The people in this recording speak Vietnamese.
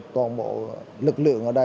tốt một lát